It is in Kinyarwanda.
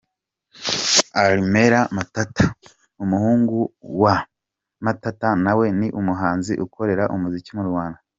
Armel Matata, umuhungu wa Matata na we ni umuhanzi ukorera umuziki mu Rwanda.